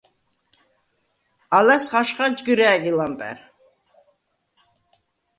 ალას ხაჟხა ჯგჷრა̄̈გი ლამპა̈რ.